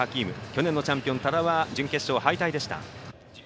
去年のチャンピオン、多田は準決勝敗退でした。